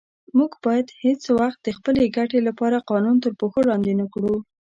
موږ باید هیڅ وخت د خپلې ګټې لپاره قانون تر پښو لاندې نه کړو.